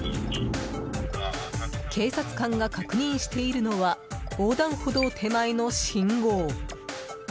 警察官が確認しているのは横断歩道手前の信号。